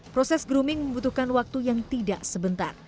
proses grooming membutuhkan waktu yang tidak sebentar